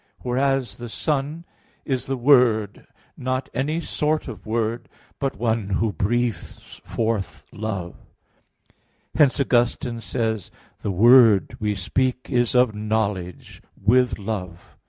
Whereas the Son is the Word, not any sort of word, but one Who breathes forth Love. Hence Augustine says (De Trin. ix 10): "The Word we speak of is knowledge with love."